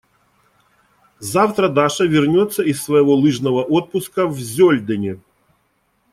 Завтра Даша вернется из своего лыжного отпуска в Зёльдене.